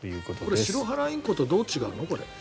これシロハラインコとどう違うの？